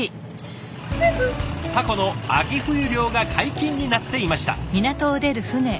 タコの秋冬漁が解禁になっていました。